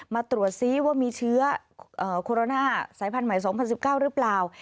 มาตรวจซิว่ามีเชื้อโคโรนาสายพันธุ์ใหม่๒๐๑๙หรือเปล่า